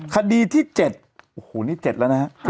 คดีที่เจ็ดโอ้โหนี่เจ็ดแล้วนะครับ